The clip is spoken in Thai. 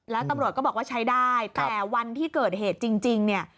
แล้วตำรวจก็บอกว่าใช้ได้แต่วันที่เกิดเหตุจริงเนี่ย